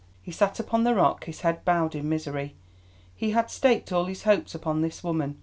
He sat upon the rock, his head bowed in misery. He had staked all his hopes upon this woman.